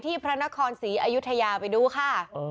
ที่พระนครสีอายุทยาไปดูค่ะ